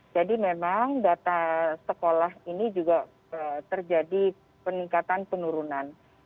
jadi memang data sekolah ini juga terjadi peningkatan penurunan